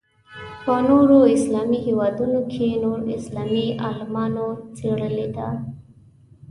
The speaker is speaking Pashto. په نورو اسلامي هېوادونو کې نور اسلامي عالمانو څېړلې ده.